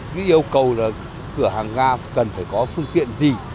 cái yêu cầu là cửa hàng ga cần phải có phương tiện gì